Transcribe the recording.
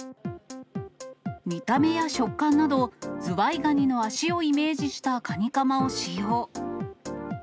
見た目や食感など、ズワイガニの脚をイメージしたカニカマを使用。